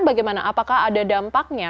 bagaimana apakah ada dampaknya